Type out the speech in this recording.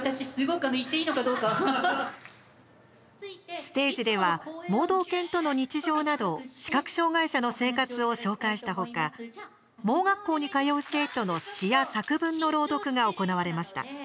ステージでは盲導犬との日常など視覚障害者の生活を紹介した他盲学校に通う生徒の詩や作文の朗読が行われました。